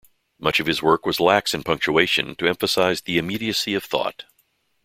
Much of his work was lax in punctuation to emphasize the immediacy of thought.